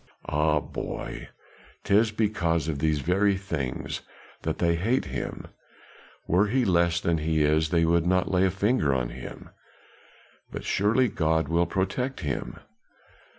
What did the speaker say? "Ah, boy! 'tis because of these very things that they hate him; were he less than he is, they would not lay a finger on him." "But surely God will protect him!"